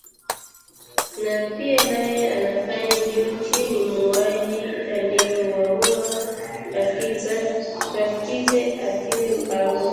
na pia naye anafanya juu chini muuwaji aliyewauwa rafikize atiwe mbaroni